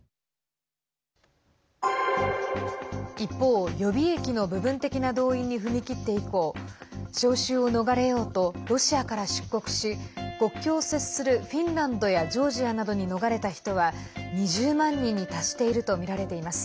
一方、予備役の部分的な動員に踏み切って以降招集を逃れようとロシアから出国し国境を接するフィンランドやジョージアなどに逃れた人は２０万人に達しているとみられています。